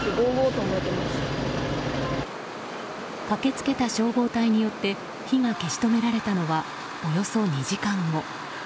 駆けつけた消防隊によって火が消し止められたのはおよそ２時間後。